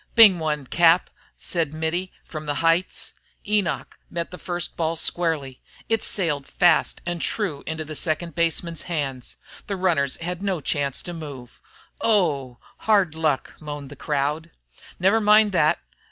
"Bing one, Cap!" said Mittie, from the heights. Enoch met the first ball squarely. It sailed fast and true into the second baseman's hands. The runners had no chance to move. "O h h! Hard luck!" moaned the crowd. "Never mind thet.